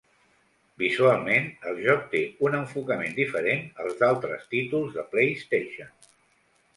Visualment, el joc té un enfocament diferent als d'altres títols de PlayStation.